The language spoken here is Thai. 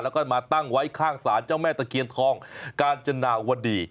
แล้วก็มาตั้งไว้ข้างศาลเจ้าแม่ตะเคียนทองกาญจนาวดี